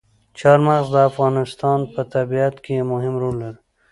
چار مغز د افغانستان په طبیعت کې یو مهم رول لري.